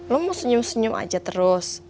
lo mau senyum senyum aja terus